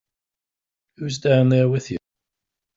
Who's down there with you?